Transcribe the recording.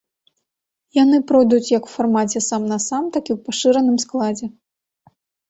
Яны пройдуць як у фармаце сам-насам, так і ў пашыраным складзе.